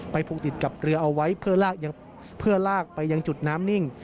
ผูกติดกับเรือเอาไว้เพื่อลากไปยังจุดน้ำนิ่ง